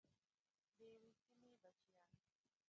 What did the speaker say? د یوې سیمې بچیان.